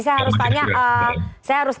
saya harus tanya tanggapannya mas